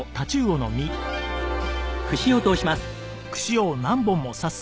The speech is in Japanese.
串を通します。